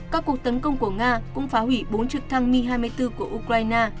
các cuộc tấn công của nga cũng phá hủy bốn trực thăng mi hai mươi bốn của ukraine